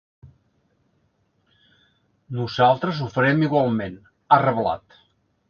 Nosaltres ho farem igualment, ha reblat.